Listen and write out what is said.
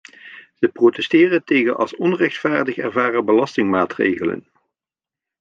Ze protesteren tegen als onrechtvaardig ervaren belastingmaatregelen.